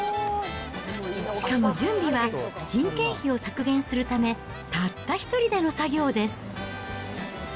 しかも準備は、人件費を削減するため、たった一人での作業です。